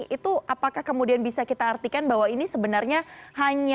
itu apakah kemudian bisa kita artikan bahwa ini sebenarnya hanya